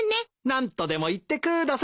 何とでも言ってください。